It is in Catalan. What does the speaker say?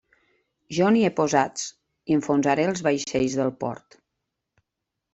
Jo n'hi he posats i enfonsaré els vaixells del Port.